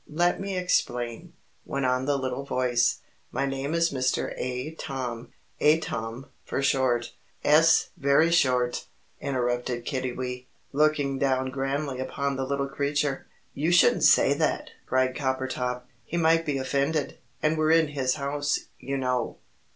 Let me explain," went on the little voice. "My name is Mr. A. Tom Atom for short." "'Es, very short!" interrupted Kiddiwee, looking down grandly upon the little creature. "You shouldn't say that!" cried Coppertop; "he might be offended, and we're in his house, you know."